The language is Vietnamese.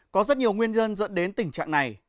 có rất nhiều nguyên nhân dẫn đến tình trạng này